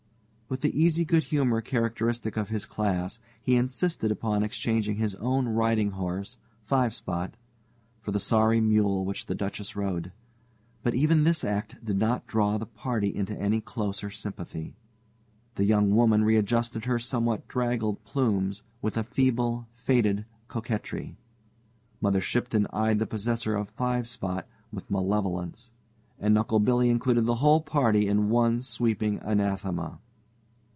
With the easy good humor characteristic of his class, he insisted upon exchanging his own riding horse, "Five Spot," for the sorry mule which the Duchess rode. But even this act did not draw the party into any closer sympathy. The young woman readjusted her somewhat draggled plumes with a feeble, faded coquetry; Mother Shipton eyed the possessor of "Five Spot" with malevolence, and Uncle Billy included the whole party in one sweeping anathema.